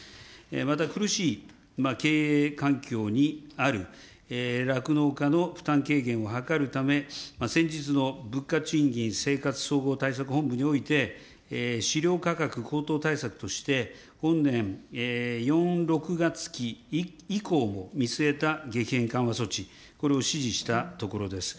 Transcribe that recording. また苦しい経営環境にある酪農家の負担軽減を図るため、先日の物価賃金生活総合対策本部において、飼料価格高騰対策として、本年、４ー６月期以降を見据えた激変緩和措置を指示したところです。